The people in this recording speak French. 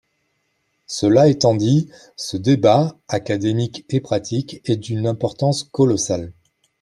Cela étant dit, ce débat, académique et pratique, est d’une importance colossale.